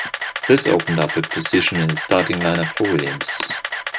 This opened up a position in the starting lineup for Williams.